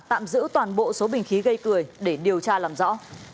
tạm giữ toàn bộ số bình khí gây cười để điều tra làm rõ